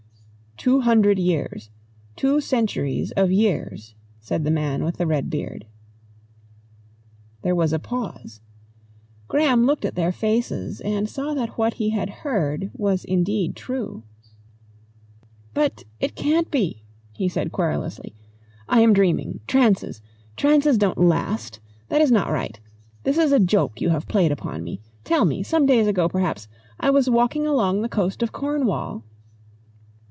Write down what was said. "Two hundred years. Two centuries of years," said the man with the red beard. There was a pause. Graham looked at their faces and saw that what he had heard was indeed true. "But it can't be," he said querulously. "I am dreaming. Trances trances don't last. That is not right this is a joke you have played upon me! Tell me some days ago, perhaps, I was walking along the coast of Cornwall